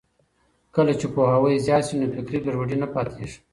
کله چې پوهاوی زیات شي، فکري ګډوډي نه پاتې کېږي.